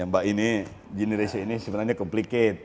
ya mbak ini jenis rasio ini sebenarnya kompliket